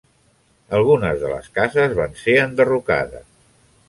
Algunes de les cases van ser enderrocades.